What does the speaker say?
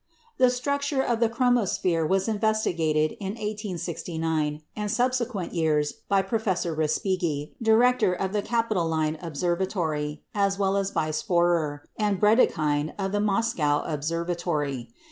The structure of the chromosphere was investigated in 1869 and subsequent years by Professor Respighi, director of the Capitoline Observatory, as well as by Spörer, and Brédikhine of the Moscow Observatory.